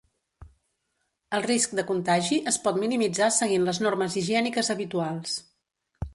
El risc de contagi es pot minimitzar seguint les normes higièniques habituals.